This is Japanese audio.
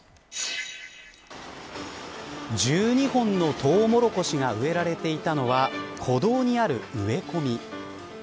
１２本のトウモロコシが植えられていたのは歩道にある植え込み。